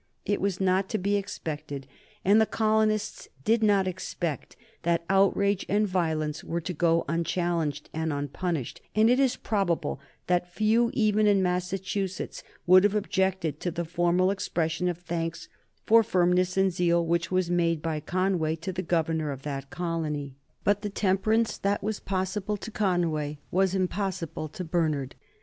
It was not to be expected, and the colonists did not expect, that outrage and violence were to go unchallenged and unpunished, and it is probable that few even in Massachusetts would have objected to the formal expression of thanks for firmness and zeal which was made by Conway to the governor of that colony. But the temperance that was possible to Conway was impossible to Bernard.